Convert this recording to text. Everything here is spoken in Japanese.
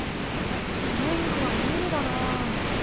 ぜんぶはむりだなあ。